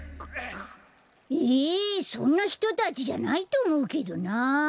ええそんなひとたちじゃないとおもうけどな。